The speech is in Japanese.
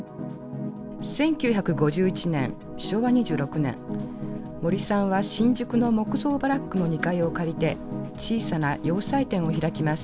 １９５１年昭和２６年森さんは新宿の木造バラックの２階を借りて小さな洋裁店を開きます。